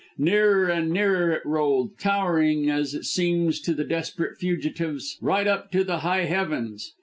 Nearer and nearer it rolled, towering, as it seems to the desperate fugitives, right up to the high heavens.